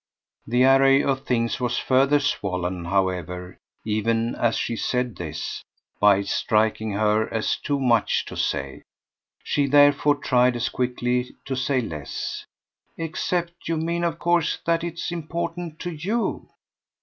'" The array of things was further swollen, however, even as she said this, by its striking her as too much to say. She therefore tried as quickly to say less. "Except you mean of course that it's important to YOU."